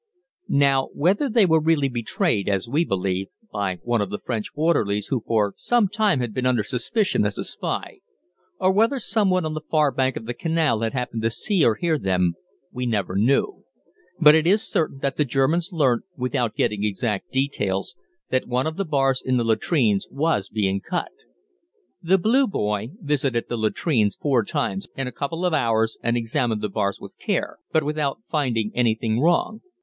Now whether they were really betrayed, as we believe, by one of the French orderlies who for some time had been under suspicion as a spy, or whether some one on the far bank of the canal had happened to see or hear them, we never knew, but it is certain that the Germans learnt, without getting exact details, that one of the bars in the latrines was being cut. The "Blue Boy" visited the latrines four times in a couple of hours and examined the bars with care, but without finding anything wrong.